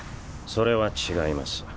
それは違います。